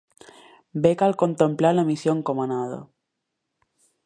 Bé cal completar la missió encomanada.